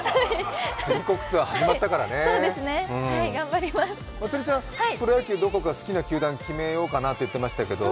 全国ツアー、始まったからねまつりちゃん、プロ野球、好きな球団どこか決めようって言ってたけど？